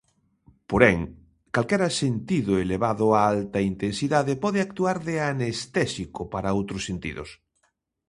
Porén, calquera sentido elevado a alta intensidade pode actuar de anestésico para outros sentidos.